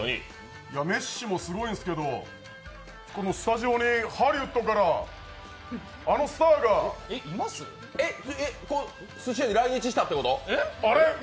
メッシもすごいんですけどスタジオにハリウッドからあのスターがすし屋に来日したってこと？